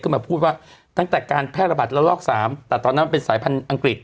มาพูดว่าตั้งแต่การแพร่ระบาดระลอก๓แต่ตอนนั้นเป็นสายพันธุ์อังกฤษ